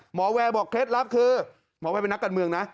แวร์บอกเคล็ดลับคือหมอแวร์เป็นนักการเมืองนะ